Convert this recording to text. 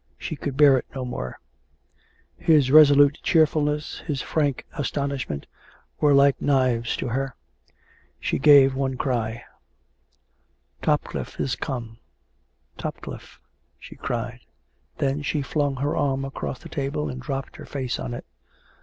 She could bear it no more. His resolute cheerfulness, his frank astonishment, were like knives to her. She gave one cry. " Topcliffe is come ... Topcliffe !..." she cried. Then she flung her arm across the table and dropped her face on it.